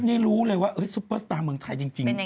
นี่รู้เลยว่าซุปเปอร์สตาร์เมืองไทยจริง